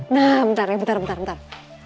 nah bentar ya bentar bentar ntar